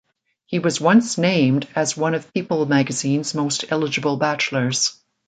He was once named as one of People magazine's most eligible bachelors.